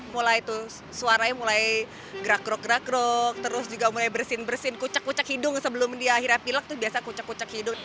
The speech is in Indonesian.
mulai tuh suaranya mulai gerak gerok gerak rok terus juga mulai bersin bersin kucak kucak hidung sebelum dia akhirnya pilek tuh biasa kucek kucek hidup